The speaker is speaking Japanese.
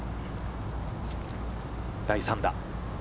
第３打。